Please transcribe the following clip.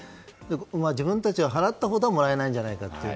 自分たちは払ったほどはもらえないんじゃないかとか。